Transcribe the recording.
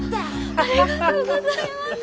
ありがとうございます。